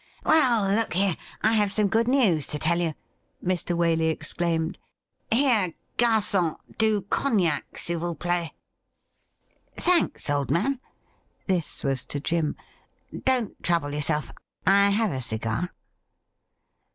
'Well, look here, I have some good news to tell you,' Mr. Waley exclaimed. 'Here, gar^on — du cognac, s'il vous plait. Thanks, old man' — ^this was to Jim — 'don't trouble yourself; I have a cigar.'